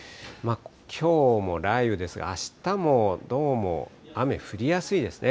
きょうも雷雨ですが、あしたもどうも雨降りやすいですね。